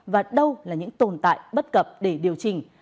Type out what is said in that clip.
và đâu là những tồn tại bất cập để điều chỉnh